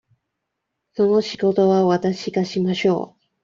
その仕事はわたしがしましょう。